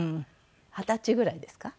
二十歳ぐらいですか。